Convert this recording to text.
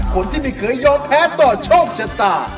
คนที่ไม่เคยยอมแพ้ต่อโชคชะตา